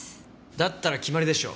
だったら決まりでしょ。